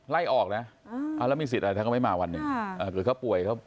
ฉันจะไล่เธอออกเธอกลุ่มนี้ด้วยครับ